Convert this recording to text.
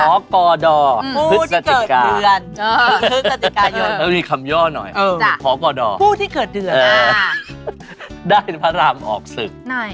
ขอกอดอฮึษศติกามีคำย่อหน่อยขอกอดอฮึษศติกาได้พระรามออกศึก